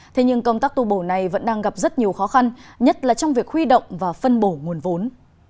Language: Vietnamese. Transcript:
thế nhưng công tác tu bổ này vẫn đang gặp rất nhiều khó khăn nhất là trong việc huy động và phân bổ nguồn vốn